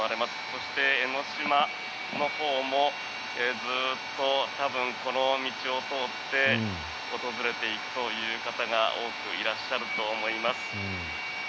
そして、江の島のほうもずっとこの道を通って訪れていくという方が多くいらっしゃると思います。